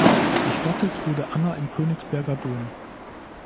Bestattet wurde Anna im Königsberger Dom.